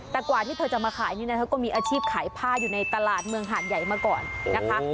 แต่กว่าที่เธอจะมาขายนี่นะเธอก็มีอาชีพขายผ้าอยู่ในตลาดเมืองหาดใหญ่มาก่อนนะคะ